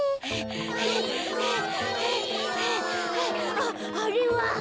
あっあれは！